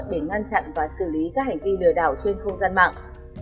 để ngăn chặn và xử lý các hành vi lừa đảo trên không gian mạng